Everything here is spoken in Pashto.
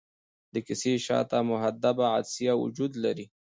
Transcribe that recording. د کسي شاته محدبه عدسیه وجود لري.